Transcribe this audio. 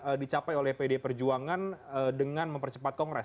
atau yang ingin dicapai oleh pdi perjuangan dengan mempercepat kongres